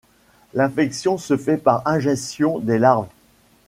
L'infection se fait par ingestion des larves.